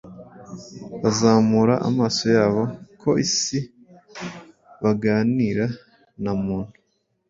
Bazamura amaso yabo ku isi, baganira na Muntu